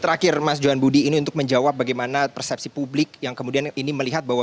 terakhir mas johan budi ini untuk menjawab bagaimana persepsi publik yang kemudian ini melihat bahwa